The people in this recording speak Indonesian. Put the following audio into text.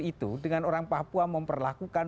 itu dengan orang papua memperlakukan